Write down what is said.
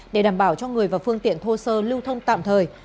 để đảm bảo cho người và phương tiện thô sơ lưu thông tạm thời